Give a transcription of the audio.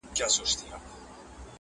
بېشکه مرګه چي زورور یې.!